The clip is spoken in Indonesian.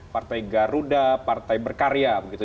partai garuda partai berkarya begitu